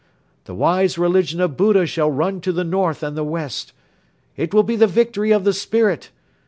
The wise religion of Buddha shall run to the north and the west. It will be the victory of the spirit.